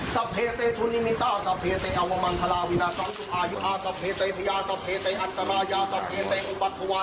สัพเพเตะอันตรายาสัพเพเตะอุบัติธวา